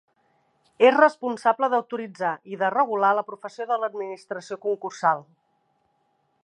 És responsable d'autoritzar i de regular la professió de l'administració concursal.